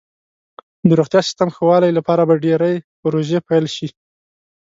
د روغتیا سیستم ښه والي لپاره به ډیرې پروژې پیل شي.